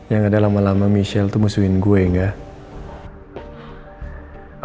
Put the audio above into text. yang ada lama lama michelle tuh musuhin gue gak